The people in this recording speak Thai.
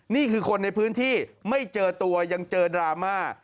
นี่คือคนในพื้นที่ไม่เจอตัวยังเจอดราม่า